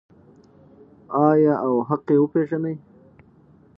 آیا او حق یې وپیژني؟